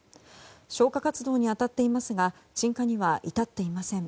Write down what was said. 消火活動に当たっていますが鎮火には至っていません。